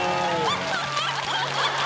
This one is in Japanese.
ハハハハハ！